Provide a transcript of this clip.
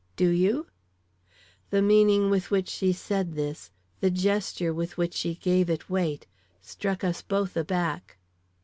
"Do you?" The meaning with which she said this, the gesture with which she gave it weight, struck us both aback.